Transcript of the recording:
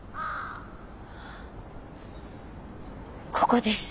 ここです。